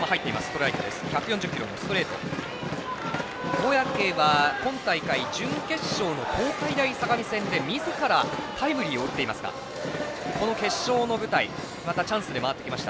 小宅は今大会準決勝の東海大相模戦でみずからタイムリーを打っていますがこの決勝の舞台またチャンスで回ってきました。